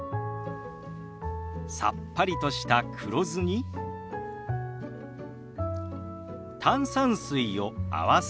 さっぱりとした黒酢に炭酸水を合わせ